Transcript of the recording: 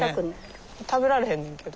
食べられへんねんけど。